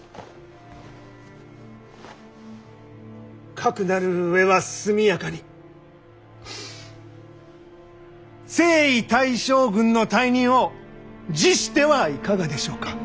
かくなる上は速やかに征夷大将軍の大任を辞してはいかがでしょうか。